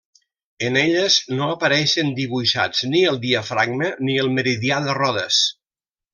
En elles no apareixen dibuixats ni el diafragma, ni el meridià de Rodes.